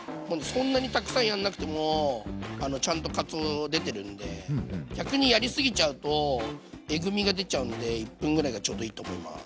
そんなにたくさんやんなくてもちゃんとかつお出てるんで逆にやりすぎちゃうとえぐみが出ちゃうんで１分ぐらいがちょうどいいと思います。